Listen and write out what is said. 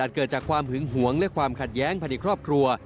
เกิดจากความหึงหวงและความขัดแย้งภายในครอบครัว